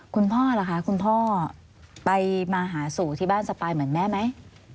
พ่อล่ะคะคุณพ่อไปมาหาสู่ที่บ้านสปายเหมือนแม่ไหม